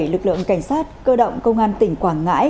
lực lượng cảnh sát cơ động công an tỉnh quảng ngãi